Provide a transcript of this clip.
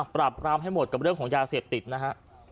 ปรับปรามให้หมดกับเรื่องของยาเสพติดนะฮะ